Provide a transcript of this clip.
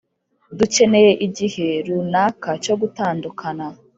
dukeneye igihe runaka cyo gutandukana